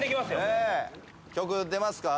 曲出ますか？